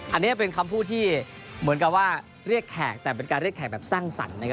อันนี้เป็นคำพูดที่เหมือนกับว่าเรียกแขกแต่เป็นการเรียกแขกแบบสร้างสรรค์นะครับ